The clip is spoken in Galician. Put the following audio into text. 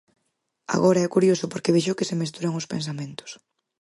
Agora é curioso porque vexo que se mesturan os pensamentos.